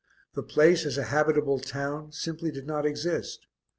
The place as a habitable town simply did not exist.